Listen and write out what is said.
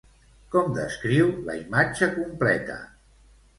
Com descriu la imatge completa?